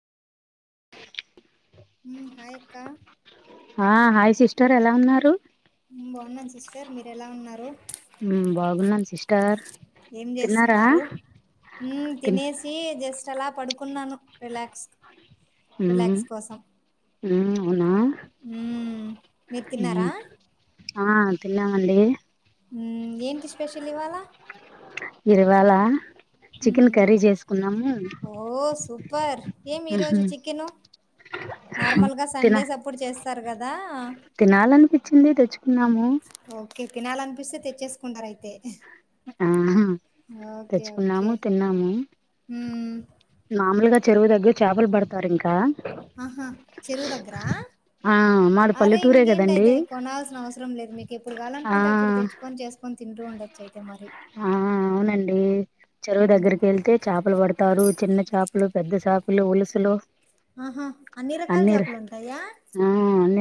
Hi అక్క ఆ.. hi sister ఎలా ఉన్నారు హ్మ్. బాగున్నాను సిస్టర్ మీరు ఎలా ఉన్నారు బాగున్నాం సిస్టర్ ఏం తిన్నారా.. జేస్తున్నారు? హ్మ్. తిన్న తినేసి జస్ట్ అలా పడుకున్నాను రిలాక్స్ రిలాక్స్ కోసం ఊ అవునా హ్మ్. మీరు ఉ తిన్నారా? ఆ తిన్నామండి ఏంటి స్పెషల్ ఇవాలా ఇరువాలా చికెన్ హ్మ్. కర్రీ జేసుకున్నాము పర్ ఏమి ఈ రోజు చికెను నార్మల్ గా తిన సండేస్ అప్పుడు చేస్తారు కదా నమో తినాలి అనిపిస్తే తెచ్చేసుకుంటారు అయితే ఆ హ ఓకే. తెచ్చుకున్నాము తిన్నాము హ్మ్. మామూలుగా చెరువు దగ్గర చాపల్ బడతారు ఇంకా ఆహా చెరువు దగ్గర ఆ మాది అరే పల్లెటూరే కదండి ఇంకేంటియితే కొనాల్సిన అవసరం లేదు మీకు ఎప్పుడు కావాల ఆ అనుకుంటే అప్పుడు తెచ్చుకొని చేసుకొని తింటూ ఉండ ఆ అవునండి చెరువు ఉమ్ దగ్గరికి ఎళ్తే చాపలు పడతారు చిన్న చేపల లు పెద్ద చాపలు ఉలుసులు ఆహా అన్ని రకాల చాపలు ఉంటాయా ఆ